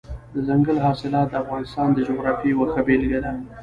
دځنګل حاصلات د افغانستان د جغرافیې یوه ښه بېلګه ده.